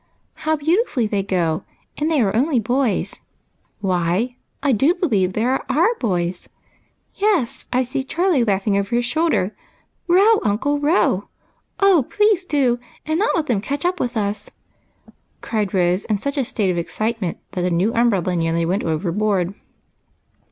" How beautifully they go, and they are only boys. Why, I do believe they are our boys ! Yes, I see Charlie laughing over his shoulder. Row, uncle, row ! oh, please do, and not let them catch u\) with us !" cried Rose, in such a state of excitement that the new umbrella nearly went overboard.